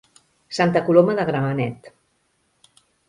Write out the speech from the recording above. Sta Coloma de Gramenet.